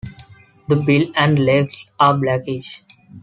The bill and legs are blackish.